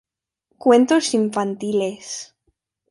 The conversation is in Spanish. Cuentos infantiles